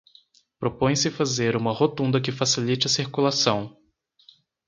Propõe-se fazer uma rotunda que facilite a circulação.